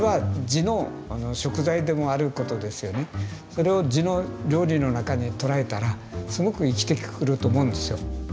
それを地の料理の中に捉えたらすごく生きてくると思うんですよ。